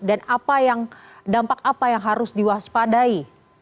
dan apa yang dampak apa yang harus diwaspadai